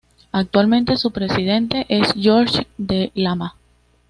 Actualmente su presidente es George de Lama.